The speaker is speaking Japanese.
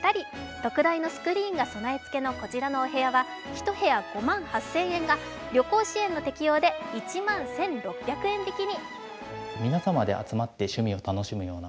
特大のスクリーンが備え付けのこちらのお部屋は１部屋５万８０００円が旅行支援の適用で１万１６００円引きに。